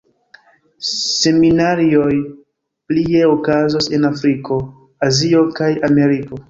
Seminarioj plie okazos en Afriko, Azio kaj Ameriko.